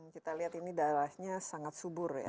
kita lihat ini daerahnya sangat subur ya